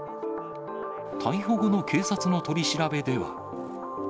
逮捕後の警察の取り調べでは。